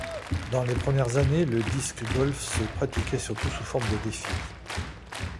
Dans les premières années, le disc golf se pratiquait surtout sous forme de défis.